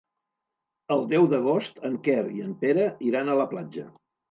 El deu d'agost en Quer i en Pere iran a la platja.